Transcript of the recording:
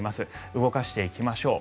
動かしていきましょう。